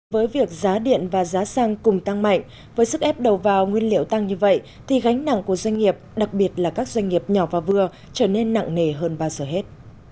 với việc giá điện và giá xăng cùng tăng mạnh với sức ép đầu vào nguyên liệu tăng như vậy thì gánh nặng của doanh nghiệp đặc biệt là các doanh nghiệp nhỏ và vừa trở nên nặng nề hơn bao giờ hết